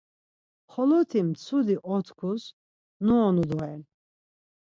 Xoloti mtsudi otkvus nuonu doren.